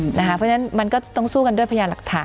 เพราะฉะนั้นมันก็ต้องสู้กันด้วยพยานหลักฐาน